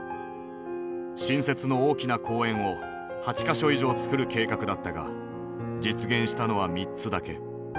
新設の大きな公園を８か所以上つくる計画だったが実現したのは３つだけ。